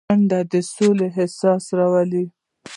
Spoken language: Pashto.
منډه د سولې احساس راولي